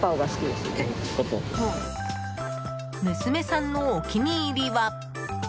娘さんのお気に入りは。